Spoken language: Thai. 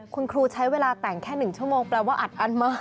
คุณครูใช้เวลาแต่งแค่๑ชั่วโมงแปลว่าอัดอั้นมาก